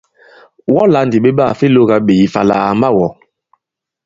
Wɔ lā ndì ɓe ɓaà fe lōgā ɓěs ifà àlà à ma-wɔ̃!